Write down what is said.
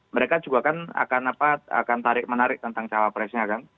mereka juga akan tarik menarik tentang cawa presnya kan